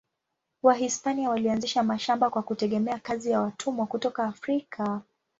Wahispania walianzisha mashamba kwa kutegemea kazi ya watumwa kutoka Afrika.